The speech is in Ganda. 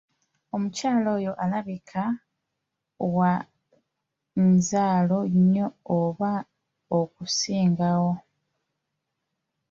Omukyala oyo alabika wa nzaalo nnya oba okusingawo.